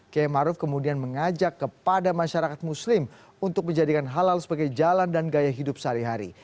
kiai maruf kemudian mengajak kepada masyarakat muslim untuk menjadikan halal sebagai jalan dan gaya hidup sehari hari